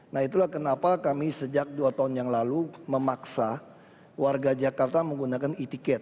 nah itulah kenapa kami sejak dua tahun yang lalu memaksa warga jakarta menggunakan e ticket